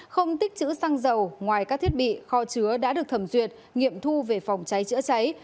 không tích chữ xăng dầu ngoài các thiết bị kho chứa đã được thẩm duyệt nghiệm thu về phòng cháy chữa cháy